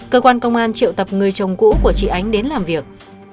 cơ quan công an triệu tập người chồng cũ của chị ánh đến làm việc